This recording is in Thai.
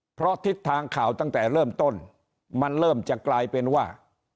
เพราะทิศทางข่าวตั้งแต่เริ่มต้นมันเริ่มจะกลายเป็นว่า